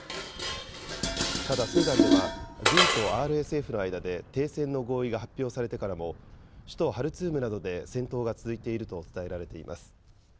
ただスーダンでは、軍とＲＳＦの間で停戦の合意が発表されてからも、首都ハルツームなどで戦闘が続いていると伝えられています。